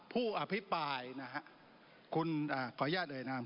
ผู้อภิปรายนะครับคุณขออนุญาตเลยนะครับ